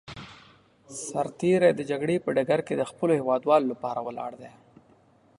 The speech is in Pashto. سرتېری د جګړې په ډګر کې د خپلو هېوادوالو لپاره ولاړ دی.